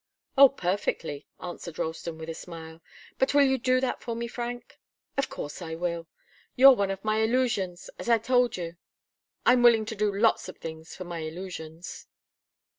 "Oh, perfectly!" answered Ralston, with a smile. "But will you do that for me, Frank?" "Of course I will. You're one of my illusions, as I told you. I'm willing to do lots of things for my illusions.